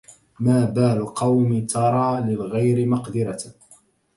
ما بال قوم ترى للغير مقدرة